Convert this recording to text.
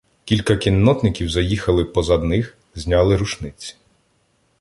Кілька кіннотників, заїхавши позад них, зняли рушниці.